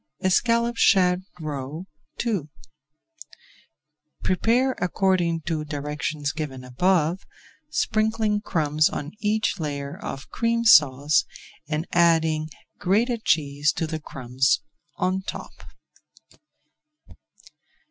ESCALLOPED SHAD ROE II Prepare according to directions given above, sprinkling crumbs on each layer of Cream Sauce, and adding grated cheese to the crumbs on top.